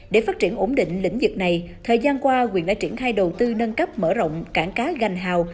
để phát triển ổn định lĩnh vực này thời gian qua quyền đã triển khai đầu tư nâng cấp mở rộng cảng cá ganh hào